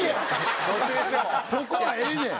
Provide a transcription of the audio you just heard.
そこはええねん！